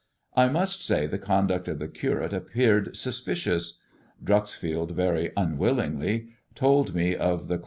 I must say the conduct of the Curate appeared suspicious. Dreuxfield very unwillingly told me of the chloroform <' Founil UcwikU